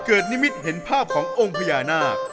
นิมิตเห็นภาพขององค์พญานาค